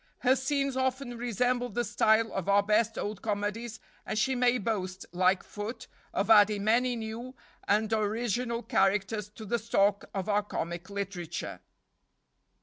Her scenes often resemble the style of our best old comedies, and she may boast, like Foote, of adding many new and original characters to the stock of our comic literature."